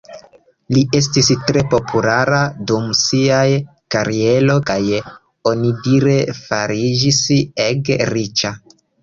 Li estis tre populara dum sia kariero, kaj onidire fariĝis ege riĉa.